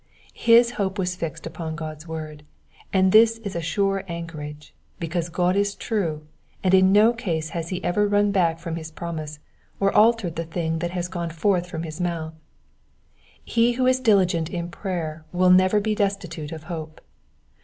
His hope was fixed upon God's word, and this is a sure anchorage, because God is true, and in no case has he ever run back from his promise, or altered the thing that has gone forth from his mouth. He who is diligent in prayer will never be destitute of hope.